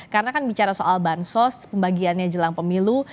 karena kan bicara soal bansos pembagiannya jelang pemilu